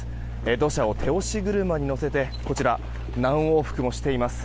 土砂を手押し車に乗せて何往復もしています。